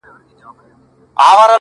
نې مني جاهل افغان ګوره چي لا څه کیږي-